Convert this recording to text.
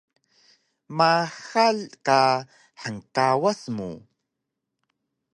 Maxal ka hngkawas mu